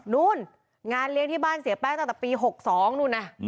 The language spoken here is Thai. นู่นงานเลี้ยงที่บ้านเสียแป้งตั้งแต่ปี๖๒นู่นนะ